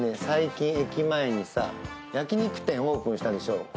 最近駅前にさ焼き肉店オープンしたでしょ？